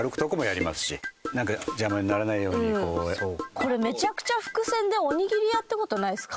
これめちゃくちゃ伏線でおにぎり屋って事はないですか？